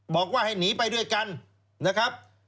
บอกว่าให้หนีไปด้วยกันนะครับ